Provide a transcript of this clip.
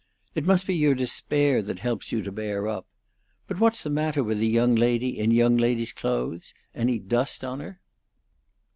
It must be your despair that helps you to bear up. But what's the matter with the young lady in young lady's clothes? Any dust on her?"